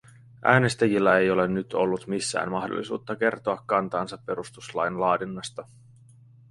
Äänestäjillä ei ole nyt ollut missään mahdollisuutta kertoa kantaansa perustuslain laadinnasta.